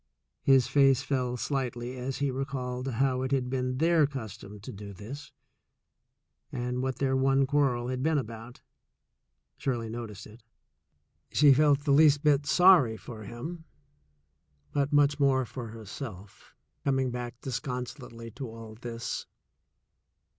His face fell slightly as he recalled how it had been their custom to do this, and what their one quarrel had been about. Shirley noticed it. She felt the least bit sorry for him, but much more for herself, coming back so disconsolately to all this.